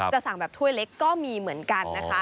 สั่งแบบถ้วยเล็กก็มีเหมือนกันนะคะ